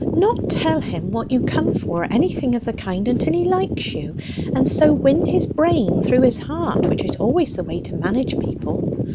Not tell him what you come for, or anything of the kind, until he likes you, and so win his brain through his heart, which is always the way to manage people.